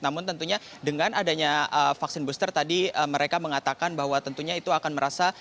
namun tentunya dengan adanya vaksin booster tadi mereka mengatakan bahwa tentunya itu akan merasa